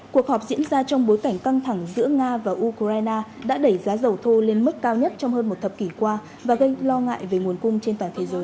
cuộc họp diễn ra trong bối cảnh căng thẳng giữa nga và ukraine đã đẩy giá dầu thô lên mức cao nhất trong hơn một thập kỷ qua và gây lo ngại về nguồn cung trên toàn thế giới